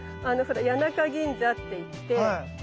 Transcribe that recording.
谷中銀座っていって。